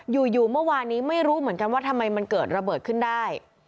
อยู่เมื่อวานนี้ไม่รู้เหมือนกันว่าทำไมมันเกิดระเบิดขึ้นได้